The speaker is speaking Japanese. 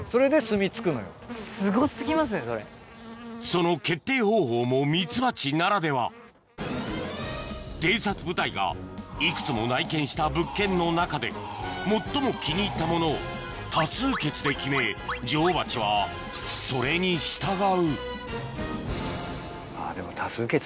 その決定方法もミツバチならでは偵察部隊がいくつも内見した物件の中で最も気に入ったものを多数決で決め女王バチはそれに従うまぁでも。